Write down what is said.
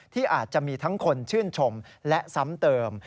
ที่อาจจะมีทั้งคนชื่นชมและซ้ำเติม